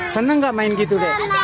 senang gak main gitu deh